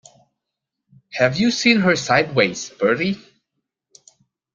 Have you seen her sideways, Bertie?